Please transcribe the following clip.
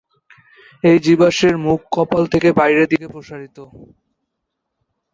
এই জীবাশ্মের মুখ কপাল থেকে বাইরের দিকে প্রসারিত।